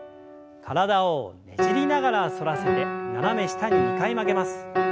体をねじりながら反らせて斜め下に２回曲げます。